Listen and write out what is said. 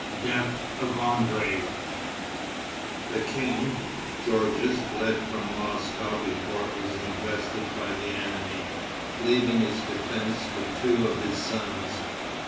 Death of André. The king, Georges, fled from Moscow before it was invested by the enemy, leaving its defense to two of his sons.